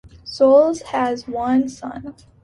Soles has one son.